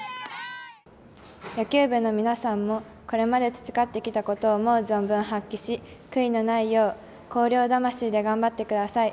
野球部の皆さんも、これまで培ってきたことを思う存分発揮し悔いのないよう広陵魂で頑張ってください。